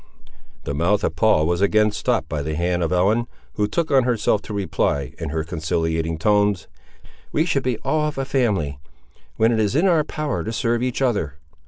The mouth of Paul was again stopped by the hand of Ellen, who took on herself to reply, in her conciliating tones: "we should be all of a family, when it is in our power to serve each other.